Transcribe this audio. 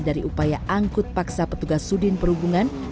dari upaya angkut paksa petugas sudin perhubungan